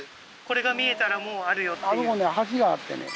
これが見えたらもうあるよっていうあそこね